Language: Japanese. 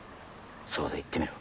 そうだ言ってみろ。